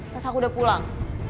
pas aku udah pulang